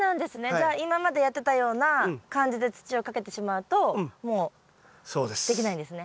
じゃあ今までやってたような感じで土をかけてしまうともうできないんですね。